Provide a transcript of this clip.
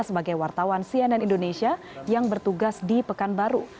sebagai wartawan cnn indonesia yang bertugas di pekanbaru